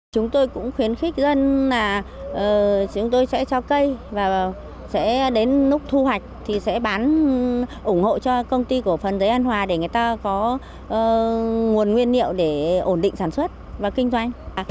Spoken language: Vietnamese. chúng tôi cũng khuyến khích dân là chúng tôi sẽ cho cây và sẽ đến lúc thu hoạch thì sẽ bán ủng hộ cho công ty cổ phần giấy an hòa để người ta có nguồn nguyên liệu để ổn định sản xuất và kinh doanh